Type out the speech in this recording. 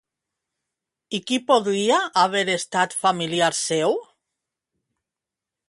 I qui podria haver estat familiar seu?